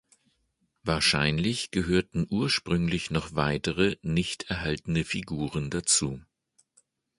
Wahrscheinlich gehörten ursprünglich noch weitere, nicht erhaltene Figuren dazu.